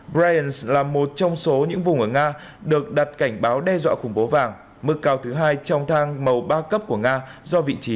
bryansk là một trong số những vùng ở nga được đặt cảnh báo đe dọa khủng bố vàng mức cao thứ hai trong thang màu ba cấp của nga do vị trí địa lý gần ukraine